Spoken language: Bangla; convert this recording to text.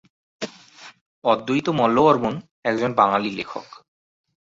অদ্বৈত মল্লবর্মণ একজন বাঙালি লেখক।